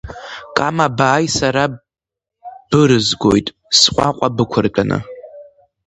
Кама, бааи сара бырызгоит, сҟәаҟәа бықәыртәаны!